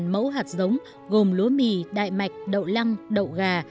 ba mươi tám mẫu hạt giống gồm lúa mì đại mạch đậu lăng đậu gà